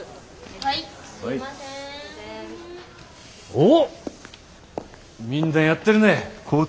おっみんなやってるね。